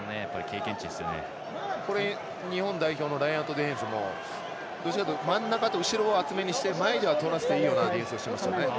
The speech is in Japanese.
日本代表のラインアウトディフェンスもどっちかというと真ん中と後ろを厚めにして前ではとらせていいような状況ですよね。